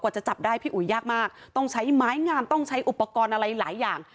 จะจับได้พี่อุ๋ยยากมากต้องใช้ไม้งามต้องใช้อุปกรณ์อะไรหลายอย่าง